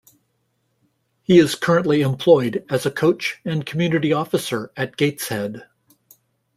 He is currently employed as a coach and community officer at Gateshead.